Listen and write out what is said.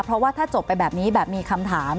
เพราะว่าถ้าจบไปแบบนี้แบบมีคำถาม